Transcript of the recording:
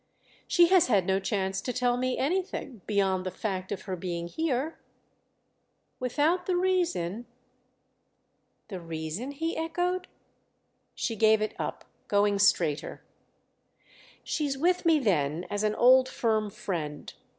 "She has had no chance to tell me anything—beyond the fact of her being here." "Without the reason?" "'The reason'?" he echoed. She gave it up, going straighter. "She's with me then as an old firm friend.